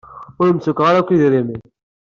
Ur am-ttakfeɣ ara akk idrimen.